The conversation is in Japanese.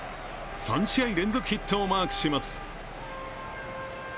３試合連続ヒットをマークします。